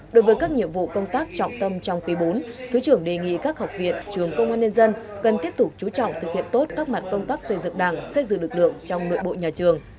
đối với các nhiệm vụ công tác trọng tâm trong quý bốn thứ trưởng đề nghị các học viện trường công an nhân dân cần tiếp tục chú trọng thực hiện tốt các mặt công tác xây dựng đảng xây dựng lực lượng trong nội bộ nhà trường